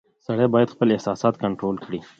• سړی باید خپل احساسات کنټرول کړي.